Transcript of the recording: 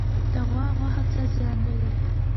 د غوا غوښه څه زیان لري؟